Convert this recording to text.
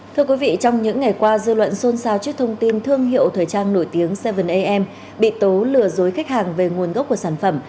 thưa quý vị trong những ngày qua dư luận xôn xao trước thông tin thương hiệu thời trang nổi tiếng seven am bị tố lừa dối khách hàng về nguồn gốc của sản phẩm